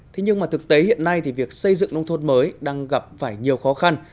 thế nhưng mà thực tế hiện nay thì việc xây dựng nông thôn mới đang gặp phải nhiều khó khăn